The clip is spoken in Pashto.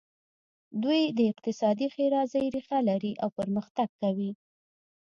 دوی د اقتصادي ښېرازۍ ریښه لري او پرمختګ کوي.